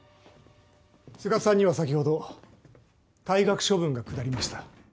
都賀さんには先ほど退学処分が下りました。